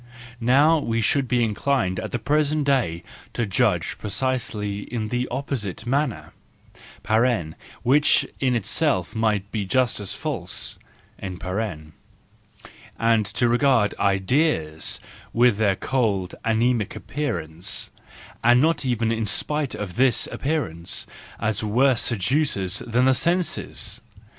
— Now we should be inclined at the present day to judge precisely in the opposite manner (which in itself might be just as false), and to regard ideas , with their cold, anaemic appearance, and not even in spite of this appearance, as worse seducers than the senses.